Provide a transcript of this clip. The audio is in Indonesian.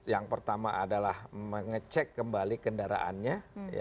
yang pertama adalah mengecek kembali kendaraannya